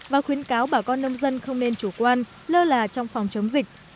và khuyến cáo bà con nông dân không nên chủ quan lơ là trong phòng chống dịch